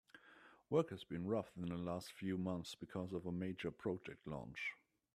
Work has been rough in the last few months because of a major project launch.